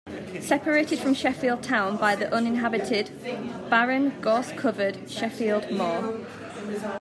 Separated from Sheffield town by the "uninhabited, barren, gorse-covered, Sheffield Moor".